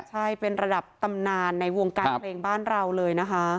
ใช่เป็นระดับตำนานในวงการเพลงบ้านเราเลยนะคะ